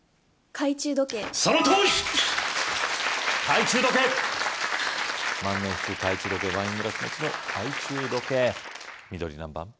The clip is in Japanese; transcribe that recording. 懐中時計万年筆・懐中時計・ワイングラスのうちの懐中時計緑何番？